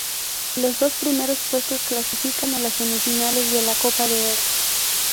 Los dos primeros puestos clasifican a las semifinales de la Copa de Oro.